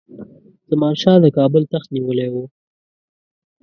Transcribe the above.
زمان شاه د کابل تخت نیولی وو.